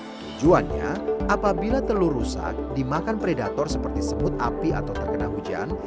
tujuannya apabila telur rusak dimakan predator seperti semut api atau terkena hujan